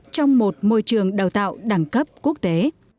trong một môi trường đào tạo đẳng cấp quốc tế